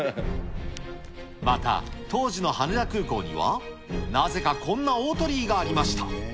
また当時の羽田空港には、なぜかこんな大鳥居がありました。